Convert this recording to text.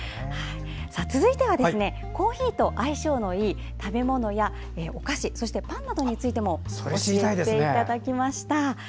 続いては、コーヒーと相性のいい食べ物やお菓子、パンについても教えていただきました。